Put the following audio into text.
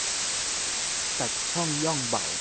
ตัดช่องย่องเบา